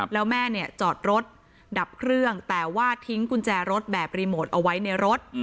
แล้วแม่เนี่ยจอดรถดับเครื่องแต่ว่าทิ้งกุญแจรถแบบรีโมทเอาไว้ในรถ